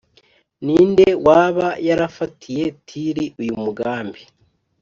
Ni nde waba yarafatiye Tiri uyu mugambi,